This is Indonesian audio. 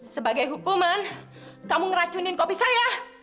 sebagai hukuman kamu ngeracunin kopi saya